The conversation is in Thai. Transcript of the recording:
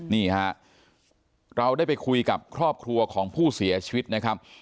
นี่ฮะเราได้ไปคุยกับครอบครัวของผู้เสียชีวิตนะครับ